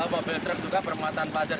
mobil truk juga bermuatan pasir